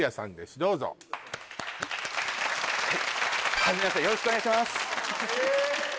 どうぞはじめましてよろしくお願いします